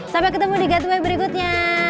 sampai ketemu di gateway berikutnya